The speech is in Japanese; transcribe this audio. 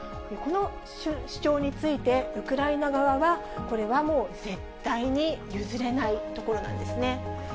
この主張について、ウクライナ側は、これはもう絶対に譲れないところなんですね。